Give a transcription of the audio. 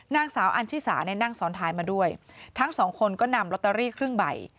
นางสาวอันชิสาเนี่ยนั่งซ้อนท้ายมาด้วยทั้งสองคนก็นำลอตเตอรี่ครึ่งใบ